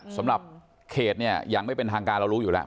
สำหรับเขตเนี่ยอย่างไม่เป็นทางการเรารู้อยู่แล้ว